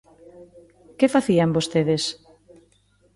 ¿Que facían vostedes?